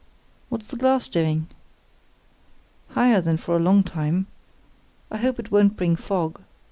"What's the glass doing?" "Higher than for a long time. I hope it won't bring fog.